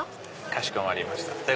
かしこまりました。